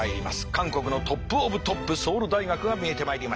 韓国のトップオブトップソウル大学が見えてまいりました。